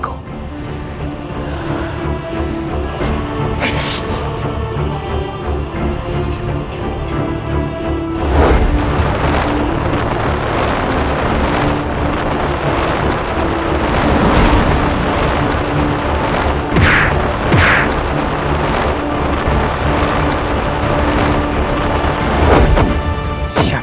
aku akan mencari penyelamat